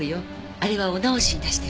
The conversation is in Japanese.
あれはお直しに出してるから。